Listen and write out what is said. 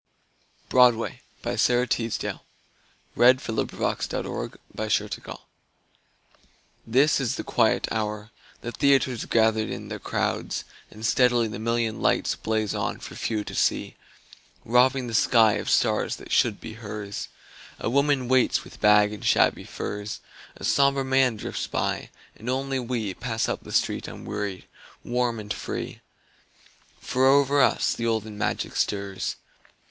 be as the gray stones in the grass. Sara Teasdale Broadway THIS is the quiet hour; the theaters Have gathered in their crowds, and steadily The million lights blaze on for few to see, Robbing the sky of stars that should be hers. A woman waits with bag and shabby furs, A somber man drifts by, and only we Pass up the street unwearied, warm and free, For over us the olden magic stirs.